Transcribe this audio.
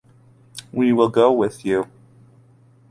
We will go with you.